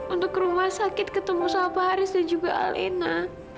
untuk ke rumah sakit ketemu sama pak haris dan juga allena